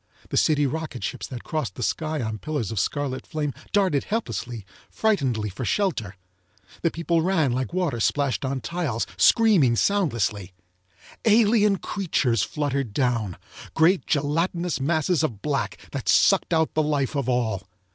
The city rocket ships that crossed the sky on pillars of scarlet flame darted helplessly, frightenedly for shelter. The people ran like water splashed on tiles, screaming soundlessly. Alien creatures fluttered down, great gelatinous masses of black that sucked out the life of all.